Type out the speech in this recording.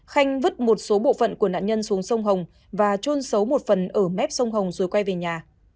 khanh vứt một số bộ phận của nạn nhân xuống sông hồng và trôn xấu một phần ở mép sông hồng rồi quay về nhà